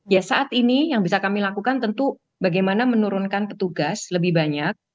ya saat ini yang bisa kami lakukan tentu bagaimana menurunkan petugas lebih banyak